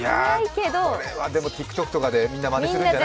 でもＴｉｋＴｏｋとかでみんな、まねするんじゃない？